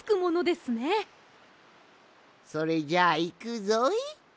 それじゃあいくぞい。